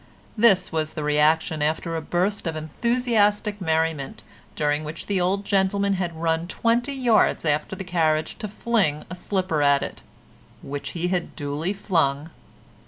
This was the reaction after a burst of enthusiastic merriment during which the old gentleman had run twenty yards after the carriage to fling a slipper at it—which he had duly flung.